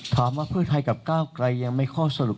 ว่าเพื่อไทยกับก้าวไกลยังไม่ข้อสรุป